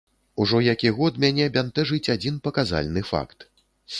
Ужо які год мяне бянтэжыць адзін паказальны факт.